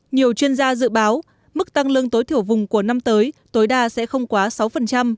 nhiều chuyên gia dự báo mức tăng lương tối thiểu vùng của năm tới tối đa sẽ không quá sáu